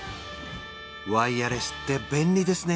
ワイヤレスって便利ですね